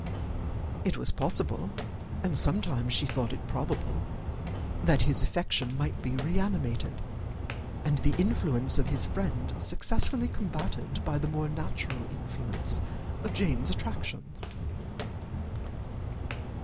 It was possible, and sometimes she thought it probable, that his affection might be re animated, and the influence of his friends successfully combated by the more natural influence of Jane's attractions.